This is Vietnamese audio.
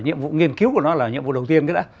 nghiên cứu của nó là nhiệm vụ đầu tiên